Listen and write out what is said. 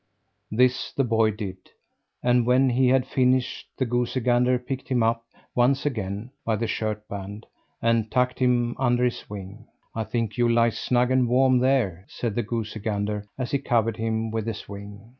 This the boy did. And when he had finished, the goosey gander picked him up, once again, by the shirt band, and tucked him under his wing. "I think you'll lie snug and warm there," said the goosey gander as he covered him with his wing.